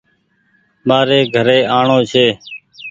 مآري گھري آڻو ڇي۔